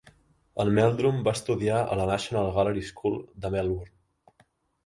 En Meldrum va estudiar a la National Gallery School de Melbourne.